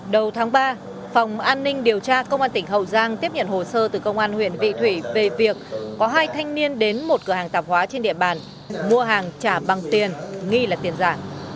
đầu tháng ba phòng an ninh điều tra công an tỉnh hậu giang tiếp nhận hồ sơ từ công an huyện vị thủy về việc có hai thanh niên đến một cửa hàng tạp hóa trên địa bàn mua hàng trả bằng tiền nghi là tiền giả